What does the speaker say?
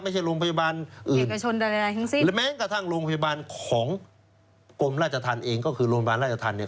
ไม่ใช่โรงพยาบาลเอกชนใดทั้งสิ้นและแม้กระทั่งโรงพยาบาลของกรมราชธรรมเองก็คือโรงพยาบาลราชธรรมเนี่ย